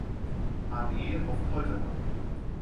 Armee auf Poltawa.